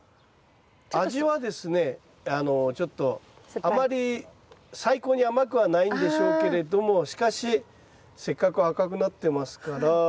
ちょっとあまり最高に甘くはないんでしょうけれどもしかしせっかく赤くなってますから。